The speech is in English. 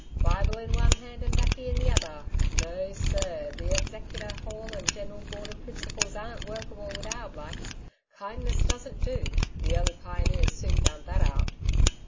'Bible in one hand and baccy in the other! No, Sir, the Exeter Hall and General Gordon principles aren't workable with our Blacks. Kindness doesn't do. The early pioneers soon found that out.'